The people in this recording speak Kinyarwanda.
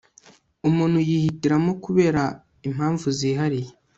umuntu yihitiramo kubera impamvu zihariye